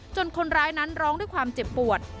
คนร้ายนั้นร้องด้วยความเจ็บปวด